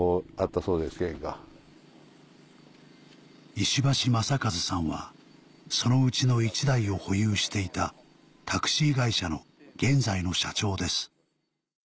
石橋雅一さんはそのうちの１台を保有していたタクシー会社の現在の社長です